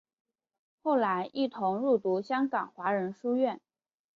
后来一同入读香港华仁书院。